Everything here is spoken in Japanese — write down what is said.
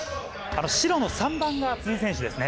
白の３番が辻選手ですね。